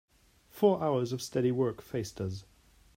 Four hours of steady work faced us.